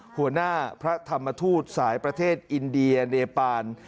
หัวหน้าพระธรรมทูตสายประเทศอินเดียเนปาน